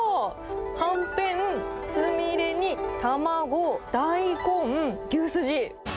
はんぺん、つみれに卵、大根、牛すじ。